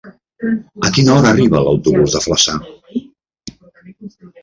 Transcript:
A quina hora arriba l'autobús de Flaçà?